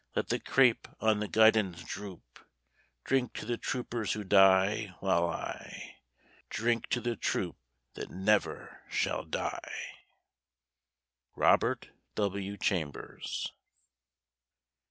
Let the crape on the guidons droop; Drink to the troopers who die, while I Drink to the troop that never shall die! ROBERT W. CHAMBERS.